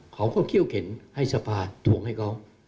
เขาก็เขี้ยวเข็นให้สภาทวงให้เขา